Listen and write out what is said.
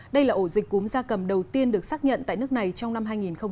đây là ổ dịch cúm da cầm đầu tiên được xác nhận tại nước này trong năm hai nghìn hai mươi